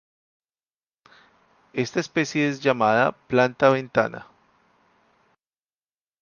Esta especie es llamada "planta ventana".